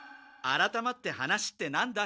あらたまって話ってなんだ？